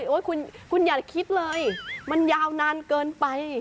คุณอย่าคิดเลยมันยาวนานเกินไป